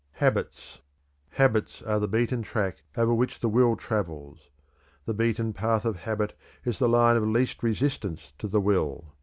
HABITS. Habits are the beaten track over which the will travels. The beaten path of habit is the line of least resistance to the will.